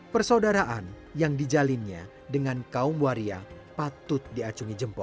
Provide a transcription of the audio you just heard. persaudaraan yang dijalinnya dengan kaum waria patut diacungi jempol